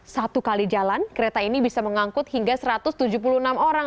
satu kali jalan kereta ini bisa mengangkut hingga satu ratus tujuh puluh enam orang